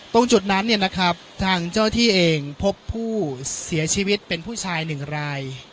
ตรงจุดนั้นเนี่ยนะครับทางเจ้าที่เองพบผู้เสียชีวิตเป็นผู้ชายหนึ่งราย